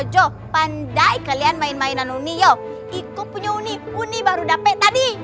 jom pandai kalian main mainan uni yo itu punya uni uni baru dapet tadi